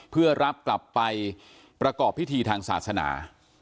เพื่อรับกลับไปประกอบพิธีทางศาสนา